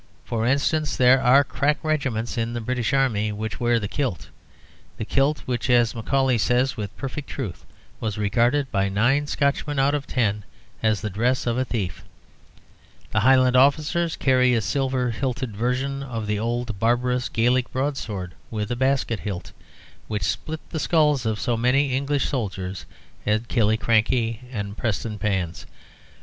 For instance, there are crack regiments in the British Army which wear the kilt the kilt which, as Macaulay says with perfect truth, was regarded by nine Scotchmen out of ten as the dress of a thief. The Highland officers carry a silver hilted version of the old barbarous Gaelic broadsword with a basket hilt, which split the skulls of so many English soldiers at Killiecrankie and Prestonpans.